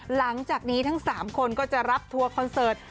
หลังจากนี้ทั้ง๓คนก็จะรับทัวร์คอนเสิร์ต